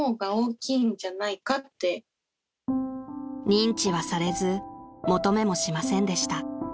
［認知はされず求めもしませんでした］